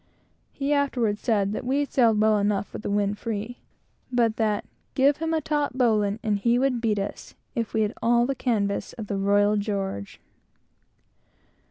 He afterwards said that we sailed well enough with the wind free, but that give him a taut bowline, and he would beat us, if we had all the canvas of the Royal George.